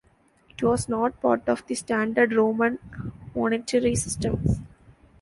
It was not part of the standard Roman monetary system.